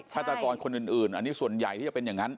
ฆาตกรคนอื่นอันนี้ส่วนใหญ่ที่จะเป็นอย่างนั้น